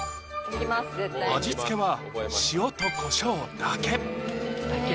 絶対味付けは塩とこしょうだけだけ！